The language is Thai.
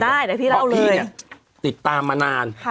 สิ่งที่ติดตามมานาน